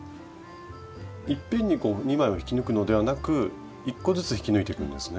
いっぺんに２枚を引き抜くのではなく１個ずつ引き抜いていくんですね。